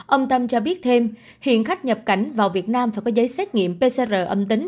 ông tâm cho biết thêm hiện khách nhập cảnh vào việt nam phải có giấy xét nghiệm pcr âm tính